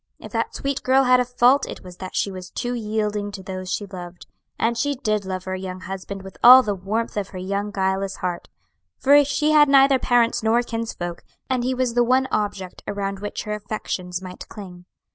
If that sweet girl had a fault, it was that she was too yielding to those she loved, and she did love her young husband with all the warmth of her young guileless heart; for she had neither parents nor kinsfolk, and he was the one object around which her affections might cling.